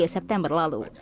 dua puluh september lalu